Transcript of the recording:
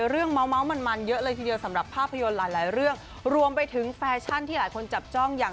เรื่องเมาสมันมันเยอะเลยทีเดียวสำหรับภาพยนตร์หลายหลายเรื่องรวมไปถึงแฟชั่นที่หลายคนจับจ้องอย่าง